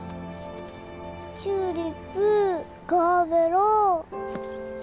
「チューリップ」「ガーベラ」。